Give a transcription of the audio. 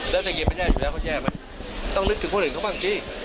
แล้วเศรษฐกิจมันแย่อยู่แล้วเขาแย่ไหมต้องนึกถึงคนอื่นเขาบ้างสิ